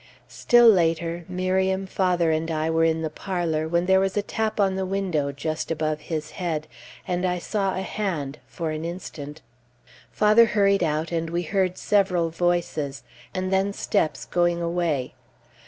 Still later, Miriam, father, and I were in the parlor, when there was a tap on the window, just above his head, and I saw a hand, for an instant. Father hurried out, and we heard several voices; and then steps going away.